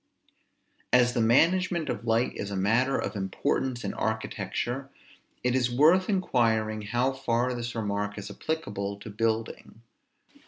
As the management of light is a matter of importance in architecture, it is worth inquiring, how far this remark is applicable to building.